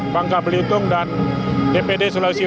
bangka belitung dan dpd sulawesi